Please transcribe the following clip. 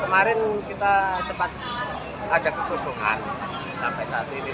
kemarin kita cepat ada kekusukan sampai saat ini